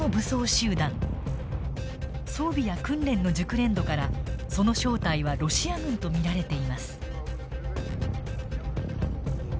装備や訓練の熟練度からその正体はロシア軍と見られています。